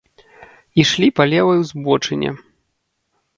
Ішлі па левай узбочыне.